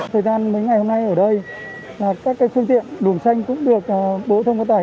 thời gian mấy ngày hôm nay ở đây là các cái phương tiện luồng xanh cũng được bộ thông các tài